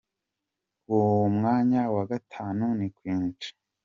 Ku mwanya wa Gatanu ni Queen Cha.